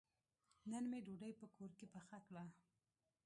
نن مې ډوډۍ په کور کې پخه کړه.